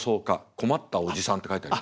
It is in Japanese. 困ったおじさん」って書いてありました。